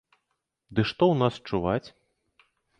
Ды што ў нас чуваць?